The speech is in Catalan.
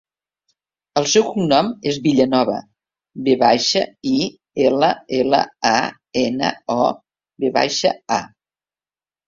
El seu cognom és Villanova: ve baixa, i, ela, ela, a, ena, o, ve baixa, a.